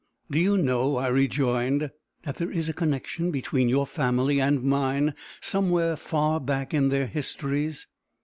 "Do you know," I rejoined, "that there is a connection between your family and mine, somewhere far back in their histories?"